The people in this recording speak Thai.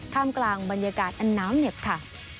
กลางบรรยากาศอันน้ำเหน็บค่ะ